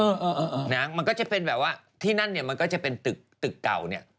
เออนะมันก็จะเป็นแบบว่าที่นั่นเนี่ยมันก็จะเป็นตึกตึกเก่าเนี่ย